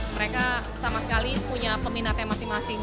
mereka sama sekali punya peminatnya masing masing